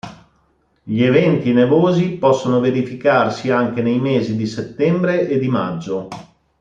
Gli eventi nevosi possono verificarsi anche nei mesi di settembre e di maggio.